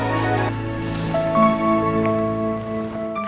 bukan gue mau ke rumah